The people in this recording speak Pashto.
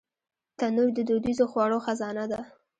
تنور د دودیزو خوړو خزانه ده